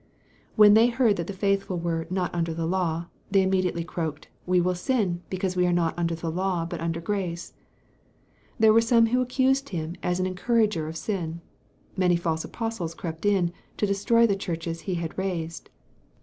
When they heard that the faithful were "not under the law," they immediately croaked, "We will sin, because we are not under the law, but under grace." There were some who accused him as an encourager of sin. Many false apostles crept in, to destroy the churches he had raised.